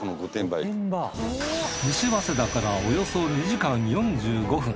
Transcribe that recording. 西早稲田からおよそ２時間４５分。